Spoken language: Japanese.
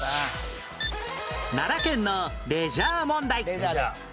奈良県のレジャー問題